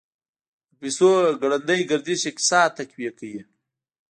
د پیسو ګړندی گردش اقتصاد تقویه کوي.